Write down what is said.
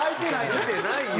見てないよ！